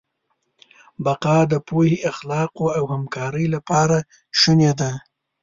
بقا د پوهې، اخلاقو او همکارۍ له لارې شونې ده.